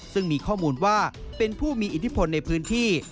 ซึ่งมีข้อมูลว่าเป็นผู้มีอิทธิพลในพื้นที่